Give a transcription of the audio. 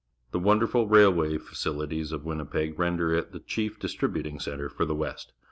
The wonderful railway fa cihties of Winnipeg render it the chief dis tributing centre for the West.